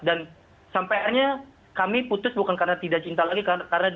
dan sampai akhirnya kami putus bukan karena tidak cinta lagi karena dibunuhnya restu